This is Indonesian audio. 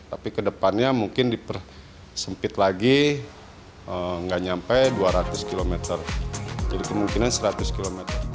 tapi kedepannya mungkin disempit lagi nggak nyampe dua ratus km jadi kemungkinan seratus km